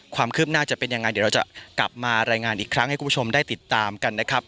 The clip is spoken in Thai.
ความคืบหน้าจะเป็นยังไงเดี๋ยวเราจะกลับมารายงานอีกครั้งให้คุณผู้ชมได้ติดตามกันนะครับ